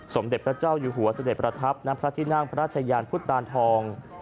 สมเด็จพระเจ้าอยู่หัวเสด็จประทับณพระที่นั่งพระราชยานพุทธตานทอง